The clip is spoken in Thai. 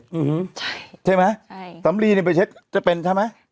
อืมใช่ไหมใช่สำลีนี่ไปเช็คจะเป็นใช่ไหม